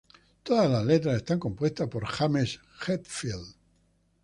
Todas las letras están compuestas por James Hetfield.